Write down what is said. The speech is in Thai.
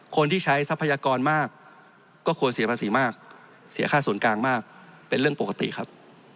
คนที่ใช้ทรัพยากรมากก็ควรเสียภาษีมากเสียค่าส่วนกลางมากเป็นเรื่องปกติครับ